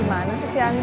dimana sih si andi